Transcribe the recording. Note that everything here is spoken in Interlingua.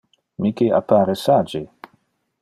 Miki appare sage.